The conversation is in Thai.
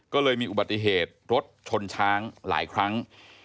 ก็เลยมีอุบัติเหตุรถชนช้างหลายครั้ง